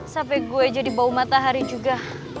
sampai gue jadi bau matahari juga